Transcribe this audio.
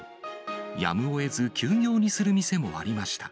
やむをえず休業にする店もありました。